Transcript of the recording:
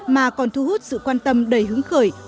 mà còn thu hút sự tham gia